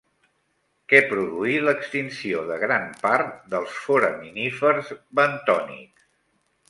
Què produí l'extinció de gran part dels foraminífers bentònics?